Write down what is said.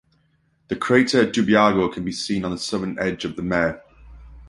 The crater Dubyago can be seen on the southern edge of the mare.